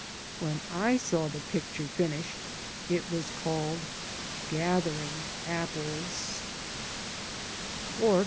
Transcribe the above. When I saw the picture finished it was called "Gathering Apples" I